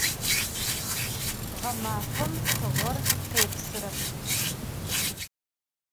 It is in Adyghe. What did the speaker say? Ğemafem tığer khêpsırep.